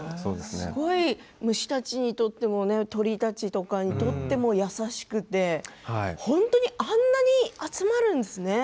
虫たちにとっても鳥たちにとっても優しくて本当に、あんなに集まるんですね。